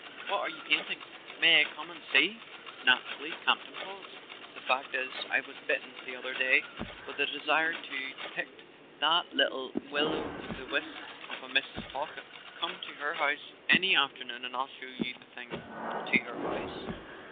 What are you painting? May I come and see?" "Naturally." Campton paused. "The fact is, I was bitten the other day with a desire to depict that little •will o' the wisp of a Mrs. Talkett. Come to her house any afternoon and I'll show you the thing." "To her house?"